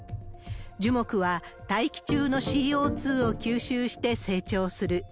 樹木は大気中のＣＯ２を吸収して成長する。